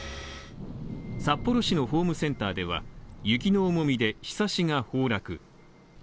札幌市のホームセンターでは雪の重みでひさしが崩落。